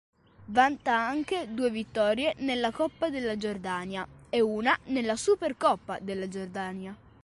Vanta anche due vittorie nella Coppa della Giordania e una nella Supercoppa della Giordania.